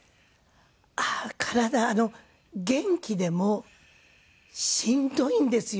体元気でもしんどいんですよ